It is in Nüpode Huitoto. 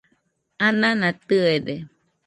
anana tɨede